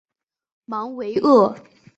芒维厄。